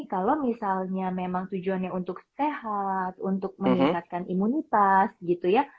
kalau misalnya memang tujuannya untuk sehat untuk meningkatkan imunitas gitu ya